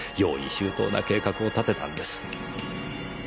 周到な計画を立てたんです。